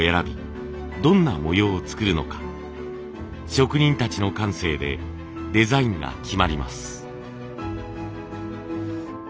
職人たちの感性でデザインが決まります。